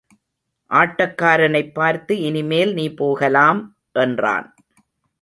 ஆட்டக்காரனைப் பார்த்து, இனிமேல் நீ போகலாம்! என்றான்.